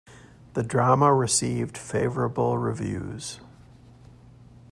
The drama received favorable reviews.